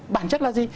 bản chất là gì